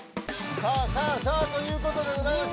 さあさあさあということでございまして。